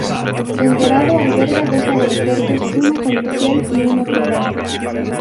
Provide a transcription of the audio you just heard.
El Dorado alberga dos aeropuertos, uno comercial y uno privado.